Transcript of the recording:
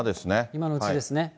今のうちですね。